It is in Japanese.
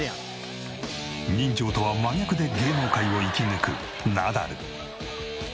人情とは真逆で芸能界を生き抜くナダル。